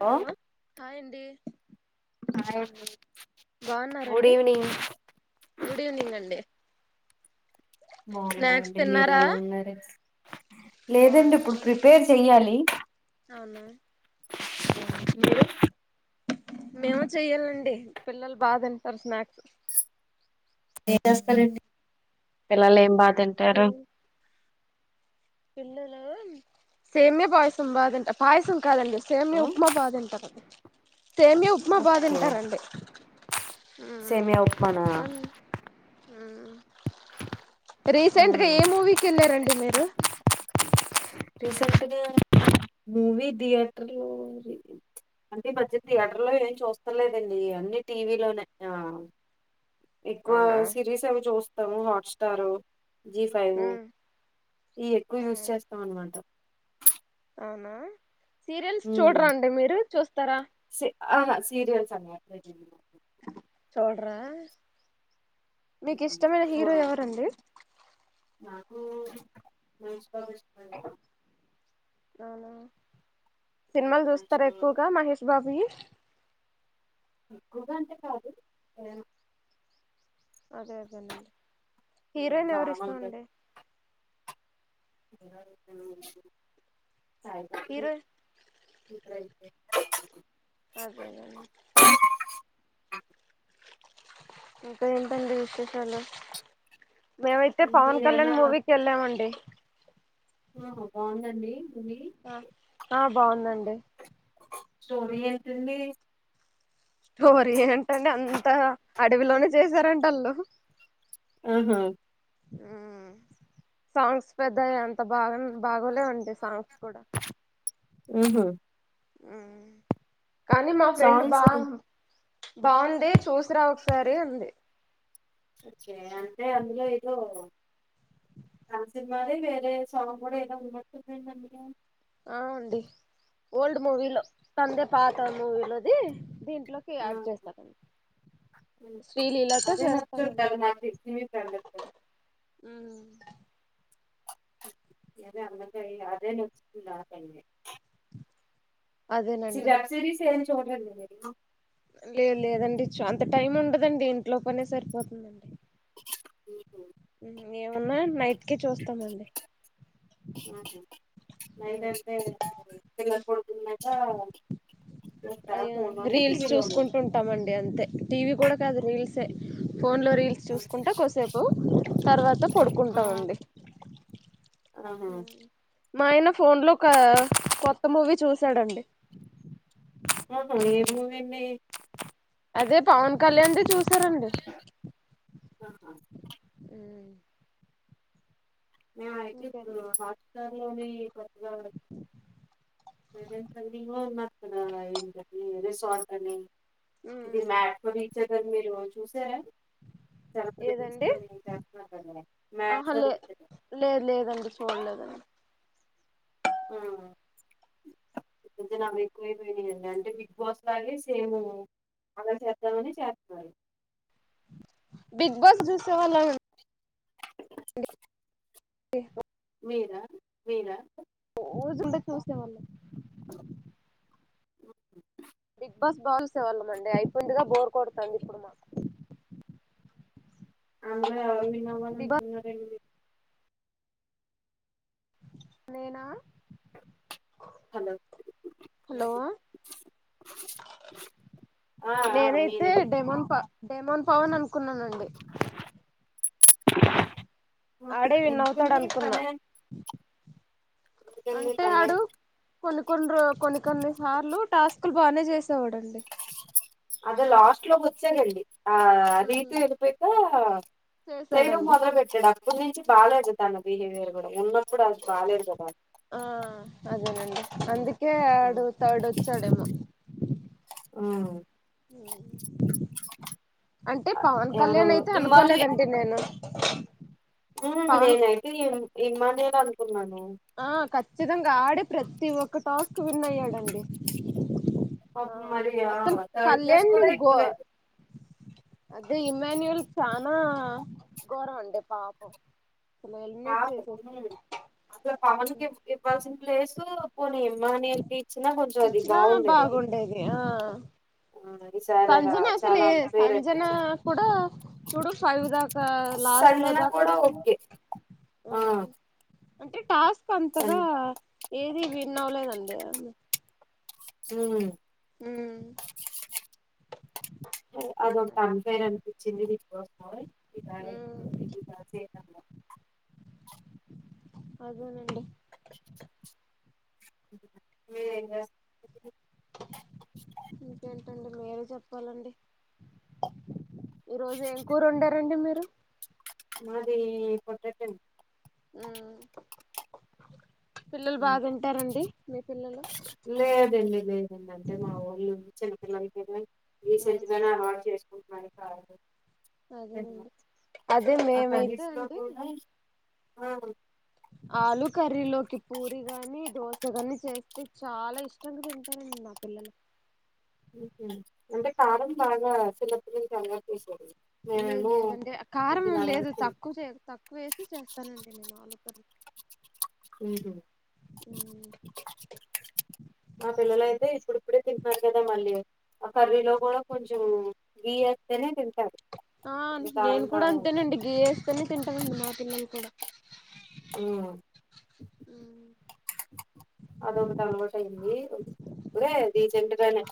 Hello hi అండి hi అండి good బాగున్నారండి ఈవినింగ్ గుడ్ ఈవనింగ్ అండి బాగున్నామ్మ్ స్నాక్స్ అండి మీరు తిన్నారా ఎలా ఉన్నారు లేదండి ఇప్పుడు బాగున్నానండి ప్రిపేర్ చెయ్యాలి అవునా మీరు మేము చెయ్యాలండి పిల్లలు బాగా తింటారు స్నాక్స్ ఏం చేస్తారండి పిల్లలు ఏం బాగా తింటారు పిల్లలు సేమియా పాయసం బాగా తింట పాయసం కాదండి సేమ్యా ఉప్మా బాగా తింటారు సేమ్య ఉప్మా బాగ ఓకే తింటారండి సేమియా ఉప్మా నా రీసెంట్ గా ఏ మూవీకి వెళ్ళారండి మీరు రీసెంట్ గా మూవీ థియటర్ అంటే ఈ మధ్య థియేటర్ లో ఏం చూస్తలేదండి అన్ని టీవీలోనే ఆ ఎక్కువ అవునా సిరీస్ అవి చూస్తాము హాట్స్టార్ జీ ఫైవ్ ఈ ఎక్కువ యూస్ చేస్త అంట అవునా సీరియల్స్ చూడరాండి మీరు చూస్తారా అహా సీరియల్స్ ఏమి లేదు అవునా మీకు ఇష్టమైన హీరో ఎవరండి హ్మ్మ్ మహేష్ బాబు ఇస్టమండీ సినిమాలు మ్యాథ్స్ చూస్తర ఎక్కువగా మహేష్ బాబు యి? ఎక్కువగా అంటే కాదు, ఏమొ అదే అదేనండి, హీరోయిన్ ఎవరిస్టమండి ఉన్నారు ఇద్దరు హీరోయిన్ [unintelligible] అదే నండి ఇంక ఏంటండి విశేషాలు? మేమైతే పవన్ మీరేమైనా కళ్యాణ్ మూవీకెళ్ళామండి. ఆ బావుందా అండి మూవీ? ఆ ఆ బాగుందండి స్టోరీ ఏంటండి స్టోరీ ఏంటండి అంతా అడవిలోనే చేసారంటాళ్ళు. ఆహా ఉమ్ సాంగ్స్ పెద్దగ అంత బాగ బాగోలేవండి సాంగ్స్ కూడా ఉమ్ హ్ కానీ మా ఫ్రెండ్ సాంగ్స్ బా బావుంది చూస్ సిరా ఒకసారి అంది టే అందులో ఏదో ఆ సినిమాదే వేరే సాంగ్ గూడ ఏదో ఉన్నట్టుందందుకే ఆ అండి ఓల్డ్ మూవీలో తందే పాత మూవీలోదీ దిన్ ట్లోకి ఆ యాడ్ జేస్తారండి అదే నచ్చుంటారు [unintelligible] గద ఉమ్ అదే అన్నంక ఇగ అదే నచ్చుతుంది [unintelligible] చి అదేనండి వెబ్ సిరీస్ ఏం చూడరండి మీరూ లేదు లేదండి చు అంత టైం ఉండదండి, ఇంట్లోపనే సరిపోతుందండి. ఒహొ ఉమ్ ఏమున్నా నైట్కే చూస్తామండి. నైట్ అంటే పిల్లలు పాడుకొన్నాకా అయ్య రీల్స్ చూసుకుంటు ఉంటామండి అంతే టీవీ కూడా కాదు రీల్సే ఫోన్లో రీల్స్ చూసుకుంట కొదిసేపు, తర్వాత ఆహా పడుకుంటామండి ఆహా మా ఆయన ఫోన్ లోక కొత్త మూవీ చూశాడండి ఆహ ఏం మూవీ అండి అదే పవన్ కళ్యాణ్ దె చూసారండి ఆహా మేమైతే ఇంకేటి ఇప్పుడు లేదు హాట్స్టార్ లోని కొత్తగా [unintelligible] ప్రజెంట్ [unintelligible] రిసార్ట్ అని ఉమ్ ఇది మాడ్ ఫర్ ఈచ్ ఆథర్ మీరు చూసారా? సెలబ్రిటీస్ ఏదండి తోని చేస్తున్నారు కదా ఆహ మ్యాట్ ఫర్ లే ఈచ్ అదర్ లేద్ లేదండి చూడలేదండి ఆ [unintelligible] ఎక్కువైపోయినయండి అంటే బిగ్ బాస్ లాగే సేమ్ అలా చేద్దామనే చేత్నారు. బిగ్ బాస్ జూసేవాళ్ళన్ టి మీరా మీరా? రోజుంటే చూసేవాళ్ళం [unintelligible] బిగ్ బాస్ బాజూసే వాళ్ళమండి అయిపోయిందిగా బోర్ కొడుతుంది ఇప్పుడు మాకు అందులో ఎవరు విన్నావని బిగ్ బాస్ అంటున్నారండి నేనా హలో హలో ఆ ఆ నేనైతే మీరే మీరే. డెమోన్ పా డెమోన్ పావన్ అని అనుకున్నానండి ఆడే విన్నవుతాడు ఎందుకండి అనుకున్నా తనే ఎందుకండి అంటే తనే ఆడు కొన్ని కొన్ని రో కొన్ని కొన్ని సార్లు టాస్కులు బాగానే చేసేవాడండి అద లాస్ట్ లో వచ్చాగండి ఆ రీతూ వెళ్ళిపోతే చేయటం చేసాడండి మొదలు పెట్టాడు అప్పుడు నుంచి బాగాలేదు తన బిహేవియర్ కూడా ఉన్నప్పుడు అది బాాలలేదు కదా ఆ అదేనండి ఉమ్ అందుకే అడు థర్డ్ వచ్చాడేమో ఆ అంటే పవన్ ఎవరు కళ్యాణ్ అయితే అనుకోలేదండి నేను పవన్ నేనయితే ఇమానేలా అనుకున్నాను ఆ ఖచ్చితంగా ఆడి ప్రతి ఒక్క టాస్ కు విన్ అయ్యాడంండి మరి ఆ థర్డ్ క్లాస్ కళ్యాణ్ ని కూడా గో ఎక్కువలేదు అదే ఇమాన్యువల్ చనా ఘోరం అండి పాపం నువ్వు ఎలిమినేట్ పాపం చేసేయ్ ఉమ్ అసలు పవన్ క ఇవ్వాల్సిన ప్లేసు పోనీ ఎమ్మానిల్ కి ఇచ్చినా కొంచెం అది ఇచ్చినా బాగుండేది అది బాగుండేది ఆ ఆ ఈసారి అలా సంజనా అసలు చాలా అన్ఫేర్ సంజనా అనిపించింది కూడాడా చూడు ఫై విదాకలా లాస్ట్ లో సంజన కూడా దాకావచ్చు ఓకే ఆ అంటే టాస్క్ సన్ అంతగా ఏది విన్ అవలేదండి హ హ అద ఒక అన్ ఫెయిర్ అనిపించింది బిగ్ బస్ ఉమ్ బ అదేనండి మీరేం చేస్తున్నారు ఇంకేంటండి మీరే చెప్పాలండి ఈ రోజు ఏం కూరు ఉండారండి మీరు మారి పొట్టటం డీ పిల్లలు ఉమ్ బాగుంటారండి మీ పిల్లలు లేదండి లేదండి అంటే మా ఊళ్ళు చిన్నపిల్లలకి రీసెంట్ ఉమ్ గానే అవాటు చేసుకుంటున్నాని కాదు అదేనండి అదే మేమైతే అక్కదిసు లో పోన్నా ఆలుూ కర్రీలోకి పూరి గాని దోశగాని చేస్తే చాలా ఇష్టంగా తింటారు మా పిల్లలు అంటే కారంం బాగా చిలప్పు చంగ చేసు లేదు లేదండి కారం లేదు అలవాటు తక్కువ చే తక్కువ వేసి చేస్తానండి నేను ఆలోచన ఉహు. ఇప్పుడే తింటున్నారు కదా మళ్ళీ ఆ కర్రీలో కూడా కొంచెం గియ్య వస్తేనే తింటారు ఆ అది నేను కారం కూడా కారం ఉంటారు అంతేనండి గీ వేస్తేనే తింటానండి మా పిల్లలు కూడా అ అదొకటి అలవాటు అయిందిే రీసెంట్ గానే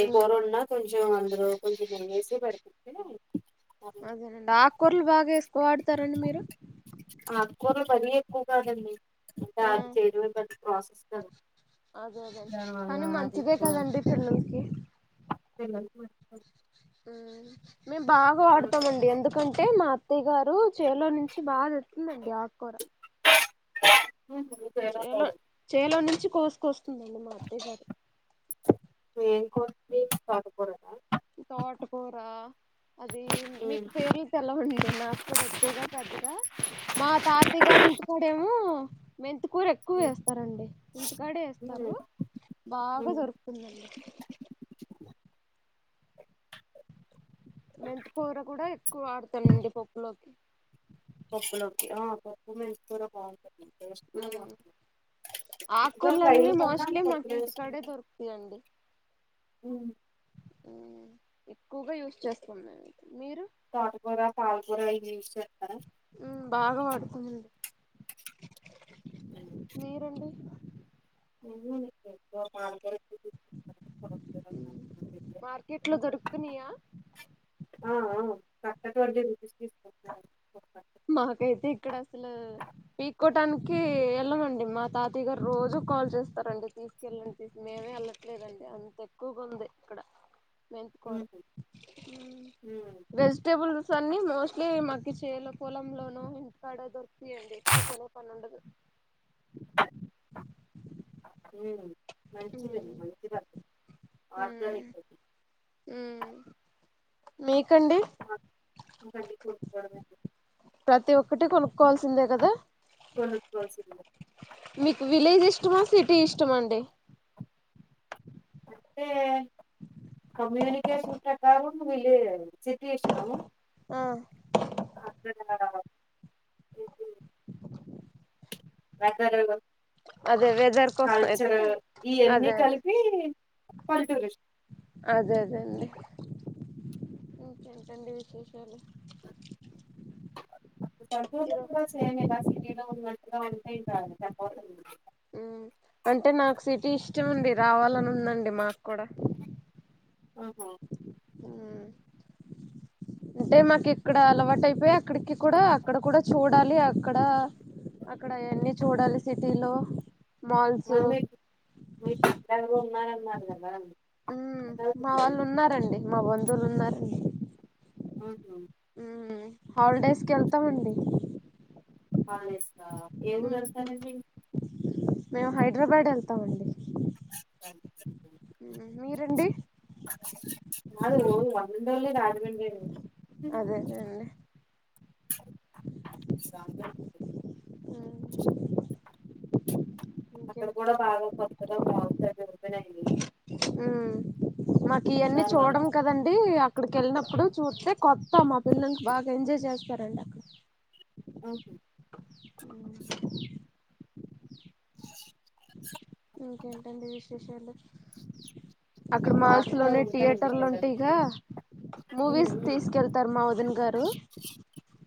ఏ కోరున్నా కొంచెం అందరు కొంచెం నెేసి పడుతుంది అదేనండి ఆకూరలు బాగా వేసుకో ఆడుతారండి మీరు ఎక్కువ మరీ ఎక్కువ కాదండి అంటే అది చేయడంమే మ ప్రాసెస్ కాదు అదే అదండి కానీ మంచిదే ఎక్కువ కదండి పిల్లలకి పిల్లలకి [unintelligible] మేము బాగా వాడుతామండి ఎందుకంటే మా అత్ త్తయ్య గారు చెల్లో నుంచి బాగా తెస్తుందండి అక్కురా చేలో చేలో నుంచి కోసుకొస్తుందండి మా అత్తయ్య గారు బీన్స్ ఆకు కూరల తోటకూర అది మీకు ఉమ్ పేర్లు తెలవండి నాకు కూడా ఎక్కువగా పెద్దగా మా తాతయ్య గారి ఇంటికాడేమో కూర ఎక్కువ వేస్తారండి ఇంటికాడే వేస్తారు బాగా ఉమ్ దొరుకుతుందండి మెంత కూర కూడా ఎక్కువ వాడతానండి పప్పులోకి పప్పులోకి ఆ పప్పు మెంతి కూరా బాగుంటంది టేస్ట్ కూడా మ్మ్ బాగుంటుందాన్ దో ఫ్రై ఆకుకూరలన్నీ చేస్తాం మోస్ట్లీ పప్పు మాకు ఇంటికాడే చేసుకుంటాం దొరుకుతాయండి ఉమ్ ఎక్కువగా యూస్ చేస్తాం మేము మీరు తోటకూర పాలకూర ఇవి యూస్ చేస్తారా బాగా పడుతుందండి మీరండి [inaudible] మార్కెట్ లో దొరుకుతున్నాయా ఆ ఆ [inaudible] మాకైతే ఇక్కడ అసలు పీకోటానికే ఏళ్ళమండి మా తాతగారు రోజు కాల్ చేస్తారండి తీసుకెళ్ళండి మేమే వెళ్ళట్లేదండి అంతే ఎక్కువగా ఉంది ఇక్కడ మెంతుకూరా ఉహు ఉమ్ వెజిటబుల్స్ అన్ని మోస్ట్లీ మక్కీ చెల్లో పొలంలోనో ఇంటికాడో దొరికితాయండి ఎక్కువ కొనే పను ఉండదు ఉమ్ మంచిదండి మంచి వర్క్ ఆర్గానిక్ ఉమ్ మీకు మాక్ ఇక్కడ అన్ని కొనుక్కోడమే అండి ప్రతి ఒక్కటి కొనుక్కోవాల్సిందే కదా కొనుకోల్సింద్ మీకు విలేజ్ ఇష్టమా సిటీ ఇష్టమా అండి అంటే కమ్యూనికేషన్ ప్రకారం వీళ్ళ సిటీ ఇష్టం అద్దె కెనడాలో వెదరు అదే వెదర్ కోసం కల్చర్ అయితే ఇవన్నీ అదే అదే కలిపి పంటురిస్ట్ అదే అదే అండి ఇంకేంటండి విశేషాలు సొంతూలో ఇరో కూడా సేమ్ ఇలా సిటీలో ఉన్నట్టుగా ఉంటే ఇం కాదు తప్ప ఉమ్ అంటే నాకు సిటీ ఇష్టం అండి రావాలని ఉన్ ఉందండి మాకు కూడా ఆహా ఉమ్ అంటే మాకు ఇక్కడ అలవాటు అయిపోయా ఇక్కడికి కూడా అక్కడ కూడా చూడ్ చాలి అక్కడ అక్కడ ఆయన్ని చూడాలి సిటీలో మాల్స్ మమ్మీ మీ పిల్లలు కూడా ఉన్నారు అన్నారు కదా ఉ మా ఎటవుతుంది వాళ్ళు ఉన్నారండి మా బంధువులు ఉన్నారండి ఆహా హాలిడేస్కి వెళ్తామండి హాలిడేస్కా ఏ ఊరు మ్మ్ హ్మ్ వెళ్తారండి మేము హైదరాబాద్ వెళ్తామండి మీరండి అది ఓన్ వండర్లి రాజమండ్రి వెళ్తాం అదే అదే [unintelligible] మ్మ్ అక్కడ కూడా ఇంకేంటండి బాగా కొత్తగా మాల్స్ జరుగుతునయి, ఉ మాకు ఇవన్నీ దాని వల్ల చూడడం కదండి అక్కడికి వెళ్ళినప్పుడు చూస్తే కొత్త మా పిల్లకి బాగా ఎంజాయ్ చేస్తాం, ఉంటారంట ఓహో ఇంకేంటండి విశేషాలు అక్కడ మాల్స్ పార్క్ లో లోనే ఉంటాయండి థియేటర్లు పిల్లలకి ఉంటాయిగా ఉమ్, మూవీస్ కి ఉమ్, తీసుకెళ్తారు మా వదినగారు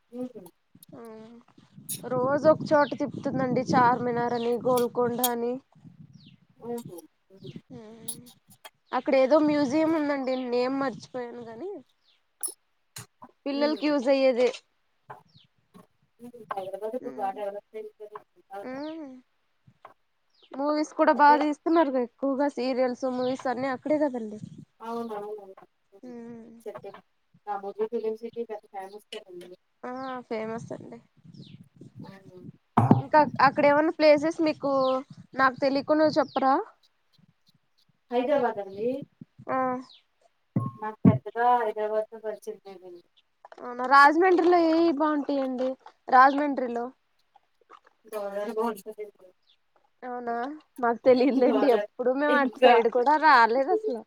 [unintelligible] [unintelligible] రోజు ఒక చోట తిప్పుతుందండి చార్మినార్ అని, గోల్కొండ అని ఉహు అక్కడ ఏదో మ్యూజియం ఉందండి నేమ్ మర్చిపో పోయాను నీ పిల్లలకి ఉమ్, యూజ అయ్యేది. ఉమ్. హైదరాబాద్ ఇప్పుడు బాగా డెవలప్ అయింది గా మూవీస్ కూడా బాగా తిస్తున్నారు ఎక్కువగా సీరియల్స్ మూవీస్ అన్ని అక్కడే కదండి, అవునువును రామోజీ ఫిలిం సిటీ పెద్ద ఫేమస్ కదా ఆ ఫేమస్ అండి ఉమ్. ఇంకా అక్కడ ఏమన్నా ప్లేసెస్ మీకు నాకు తెలియకునవి చెప్పరా, హైదరాబాద్ అండీ ఆ నాకు పెద్దగా హైదరాబాద్ తో పరిచయం లేదండి అవునా రాజమండ్రిలో ఏవి బాగుంటాయిండి, రాజమండ్రిలో [unintelligible] అవునా మాకు తెలియలేండి గోదావరి ఎప్పుడు మేము అటు ఇంకా సైడ్ కూడా రాలేదు అసలు,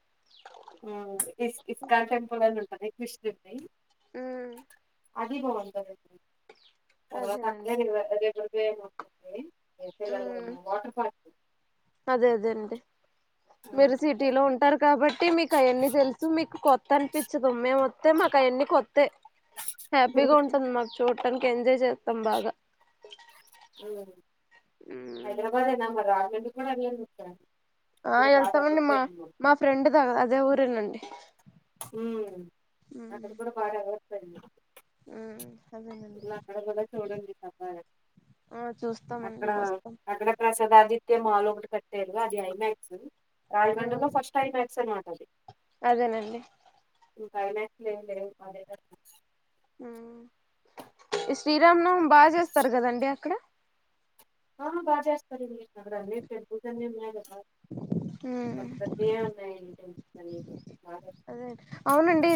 ఇస్ ఇస్కాన్ టెంపుల్ అని ఉంటానేయి కృష్ దయి ఉ [unintelligible] అదేనండి తే ఉమ్ వాటర్ పార్క్ అదే అదే అండి మీరు సిటీలో ఉంటారు, కాబట్టి మీకు అవన్నీ తెలుసు మీకు కొత్త అనిపించదు మేముస్తే మాకు అయన్నిక వస్తే హ్యాపీగా ఉంటుంది, మాకు చోటు పక్కననికి ఎంజాయ్ చేతాం బాగా అ హైదరాబాద్ ఎన్న మా రాజమండ్రి కి కూడా వేలండి, ఆ వెళ్తామండి మా మా ఫ్రెండ్ ద అదే ఊరేనండి హ అక్కడ కూడా బడ వ్యవసా ఉమ్ అదేనండి ఇలా అక్కడ కూడా చూడండి పాప ఆ చూస్తామండి అక్కడ వస్తాం అక్కడ ప్రసాద జివాజీ అ మాలు ఒకటి కట్టరు అది ఐమాక్స్ ఉమ్ రాజమండ్రిలో ఫస్ట్ టైమ్ క్స్ అనమాటది అదేనండి ఇ ఫైనాన్స్ లేం లే అదే ఉ శ్రీరామనవమి బాగా చేస్తారు కదండి అక్కడ ఆ బాగా చేస్తార అన్నే టెంపుల్స్ ఉన్నాయి కదా అంత ఉమ్ పెద్ద పెద్దయ్య ఉన్నాయండి అదే అవునండి